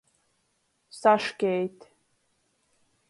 Saškeit.